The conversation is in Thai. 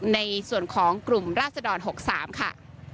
ในส่วนของกลุ่มราศดร๖๓ค่ะ